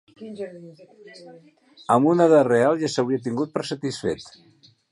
Amb una de real ja s'hauria tingut per satisfet